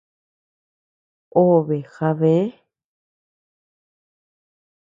Obe jabë.